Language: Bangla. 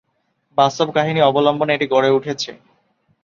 বাস্তব কাহিনী অবলম্বনে এটি গড়ে উঠেছে।